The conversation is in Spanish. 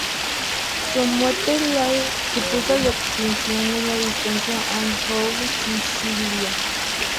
Su muerte supuso la extinción de la dinastía Anjou-Sicilia.